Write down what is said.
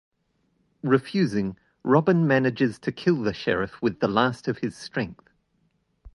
Refusing, Robin manages to kill the Sheriff with the last of his strength.